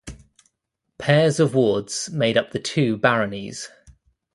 Pairs of wards made up the two Baronies.